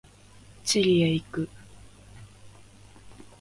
チリへ行く。